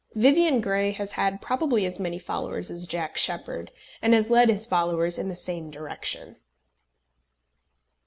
Vivian Grey has had probably as many followers as Jack Sheppard, and has led his followers in the same direction.